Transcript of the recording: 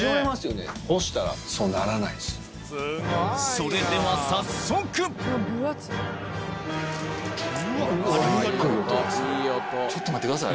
それでは早速ちょっと待ってください。